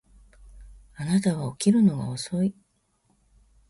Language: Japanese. あなたは起きるのが遅い